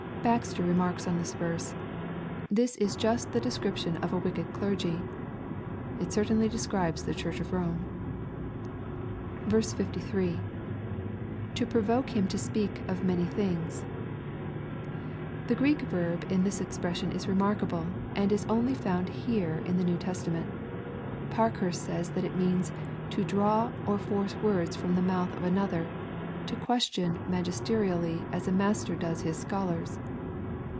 Baxter remarks on this verse, " This is just the description of a wicked clergy." — ^It certainly describes the Church of Rome. 53.— [^ provoke him to speak of Tnany Ihirvgs.'] The Greek verb in this eJipression is remarkable, and is only found here in the New Testament. Parkhurst says that it means "To draw or force words from the mouth of another, to question magisterially, as a master does his scholars."